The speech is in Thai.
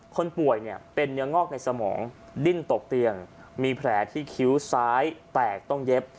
คนป่วยเนี่ยเป็นเนื้องอกในสมองดิ้นตกเตียงมีแผลที่คิ้วซ้ายแตกต้องเย็บ